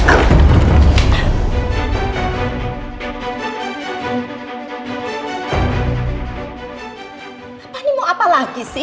apa ini mau apa lagi sih